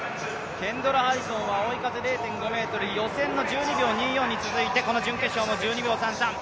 ケンドラ・ハリソンは追い風０．５メートル、予選の１２秒４に続いて、１２秒３３。